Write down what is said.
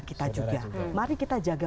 kita juga mari kita jaga